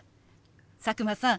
佐久間さん